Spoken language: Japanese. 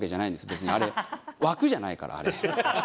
別にあれ枠じゃないからあれ。